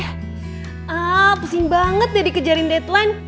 ah pusing banget deh dikejarin deadline